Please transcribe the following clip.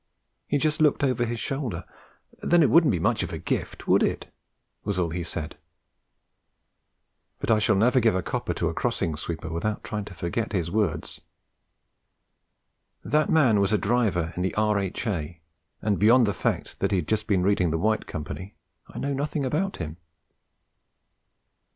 He just looked over his shoulder. 'Then it wouldn't be much of a gift, would it?' was all he said; but I shall never give a copper to a crossing sweeper without trying to forget his words. That man was a driver in the R.H.A., and beyond the fact that he had just been reading The White Company I know nothing about him.